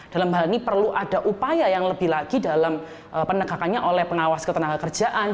dalam hal ini perlu ada upaya yang lebih lagi dalam penegakannya oleh pengawas ketenaga kerjaan